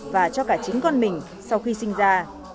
và cho cả chính con mình sau khi sinh ra